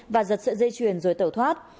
và giật sợi dây chuyền rồi tẩu thoát